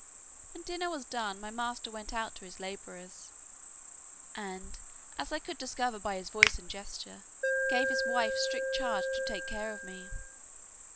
When dinner was done, my master went out to his labourers, and, as I could discover by his voice and gesture, gave his wife strict charge to take care of me.